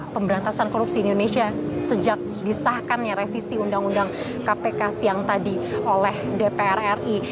pemberantasan korupsi di indonesia sejak disahkannya revisi undang undang kpk siang tadi oleh dpr ri